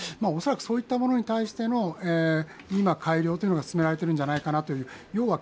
おそらくそういったものに対しての改良というのが進められているんじゃないかと。